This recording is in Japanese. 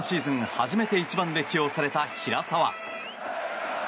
初めて１番で起用された平沢。